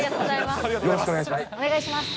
よろしくお願いします。